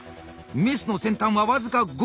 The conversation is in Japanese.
メスの先端は僅か５ｍｍ。